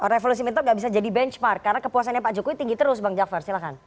revolusi mental nggak bisa jadi benchmark karena kepuasannya pak jokowi tinggi terus bang jafar silahkan